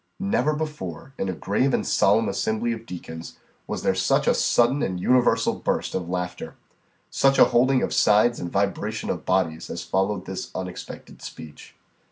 Never before, in a grave and solemn assembly of deacons, was there such a sudden and universal burst of laughter, such a holding of sides and vibration of bodies, as followed this unexpected speech.